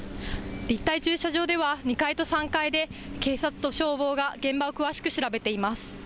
立体駐車場では２階と３階で警察と消防が現場を詳しく調べています。